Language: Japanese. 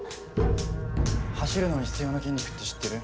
走るのに必要な筋肉って知ってる？